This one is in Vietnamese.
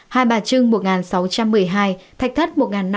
hai bà trưng một sáu trăm một mươi hai thạch thất một năm trăm một mươi hai